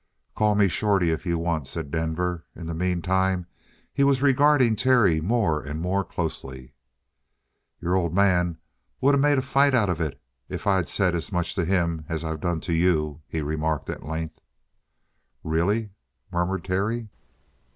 "Call me Shorty if you want," said Denver. In the meantime he was regarding Terry more and more closely. "Your old man would of made a fight out of it if I'd said as much to him as I've done to you," he remarked at length. "Really?" murmured Terry.